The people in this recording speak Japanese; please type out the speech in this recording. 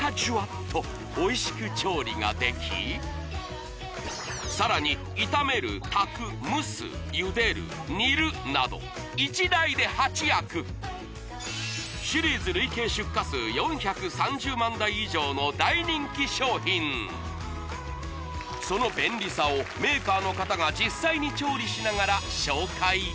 とおいしく調理ができさらに炒める炊く蒸す茹でる煮るなど１台で８役！の大人気商品その便利さをメーカーの方が実際に調理しながら紹介！